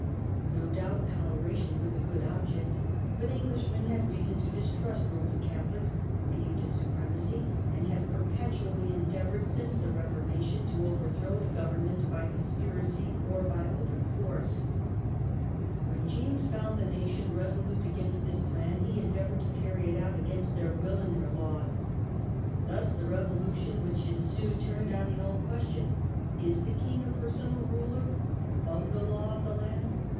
No doubt Toleration was a good object, but Englishmen had reason to distrust Roman Catholics, who aimed at supremacy, and had perpetually endeavoured since the Reformation to over throw the government by conspiracy or by open force. 90 MONMOUTH'S REBELLION. When James found the nation resolute against his plan he endeavoured to carry it out against their will and their laws. Thus the Revolution which ensued turned on the old question — Is the king a personal ruler and above the law of the land?